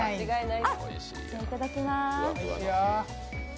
いただきます。